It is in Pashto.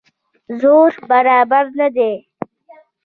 زور برابر نه دی.